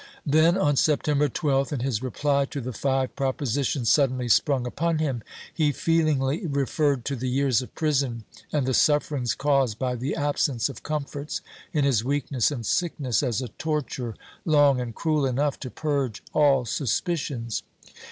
Then, on September 12th, in his reply to the five propositions suddenly sprung upon him, he feelingly referred to the years of prison and the sufferings caused by the absence of comforts in his weakness and sickness, as a torture long and cruel enough to purge all sus picions.